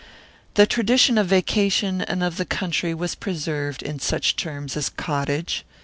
The tradition of vacation and of the country was preserved in such terms as "cottage."